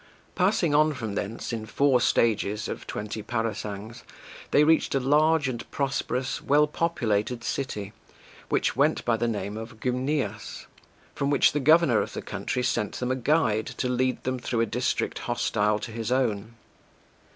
Passing on from thence in four stages of twenty parasangs, they 19 reached a large and prosperous well populated city, which went by the name of Gymnias (3), from which the governor of the country sent them a guide to lead them through a district hostile to his own.